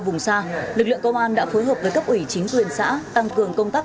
vùng xa lực lượng công an đã phối hợp với cấp ủy chính quyền xã tăng cường công tác